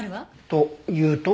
というと？